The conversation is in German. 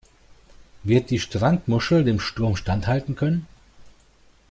Wird die Strandmuschel dem Sturm standhalten können?